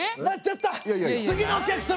次のお客様！